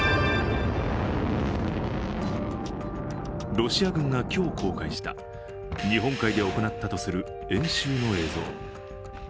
ロシア軍が今日公開した、日本海で行ったとする演習の映像。